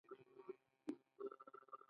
• مهربان سړی د هر چا سره ښه چلند کوي.